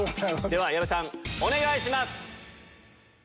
では矢部さんお願いします。